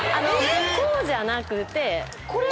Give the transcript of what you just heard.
こうじゃなくてこれで。